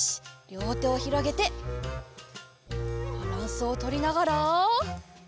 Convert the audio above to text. りょうてをひろげてバランスをとりながら。